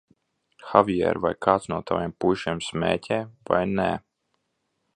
Havjēr, vai kāds no taviem puišiem smēķē, vai nē?